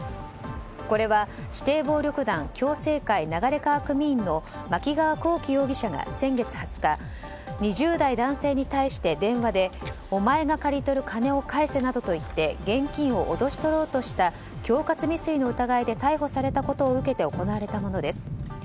これは指定暴力団共政会流川組員の槇川幸希容疑者が先月２０日２０代男性に対して電話でお前が借りとる金を返せなどと言って、現金を脅し取ろうとした恐喝未遂の疑いで逮捕されたことを受けて行われたものです。